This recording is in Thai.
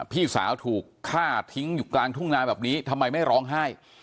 พี่สาวถูกฆ่าทิ้งอยู่กลางทุ่งนาแบบนี้ทำไมไม่ร้องไห้